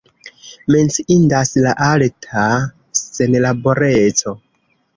Menciindas la alta senlaboreco.